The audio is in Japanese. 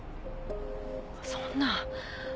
そんな。